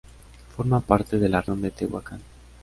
Forma parte de la región de Tehuacán.